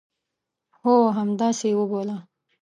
هو، همداسي یې وبوله